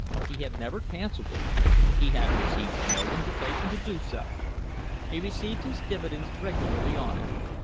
He had never cancelled it. He had received no invitation to do so. He received his dividends regularly on it.